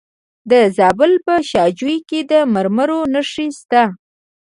د زابل په شاجوی کې د مرمرو نښې شته.